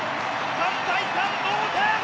３対３同点！